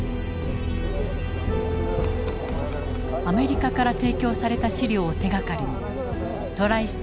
アメリカから提供された資料を手がかりにトライ